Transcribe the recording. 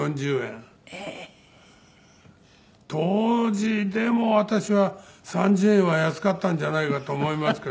当時でも私は３０円は安かったんじゃないかと思いますけど。